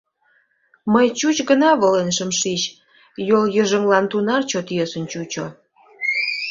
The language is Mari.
Мый чуч гына волен шым шич, йол йыжыҥлан тунар чот йӧсын чучо.